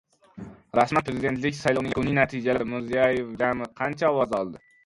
Rasman! Prezidentlik saylovining yakuniy natijalari: Mirziyoyev jami qancha ovoz oldi?